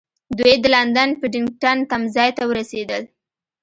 دوی د لندن پډینګټن تمځای ته ورسېدل.